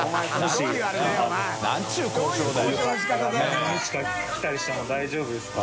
淵好織奪奸何日か来たりしても大丈夫ですか？